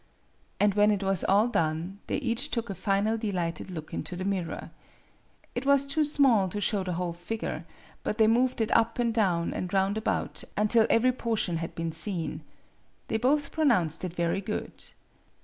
And when it was all done, they each took a final delighted look into the mirror. It was too small to show the whole figure, but they moved it up and down and round about until every portion had been seen. They both pronounced it very good.